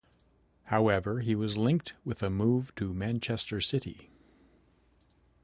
However, he was linked with a move to Manchester City.